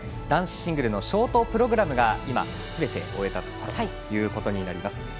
男子シングルのショートプログラムがすべて終わったところになります。